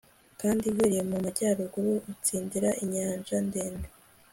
Kandi uhereye mu majyaruguru utsindira inyanja ndende